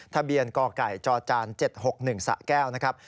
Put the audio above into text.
ทะเบียนกไก่จจ๗๖๑สะแก้วนะครับ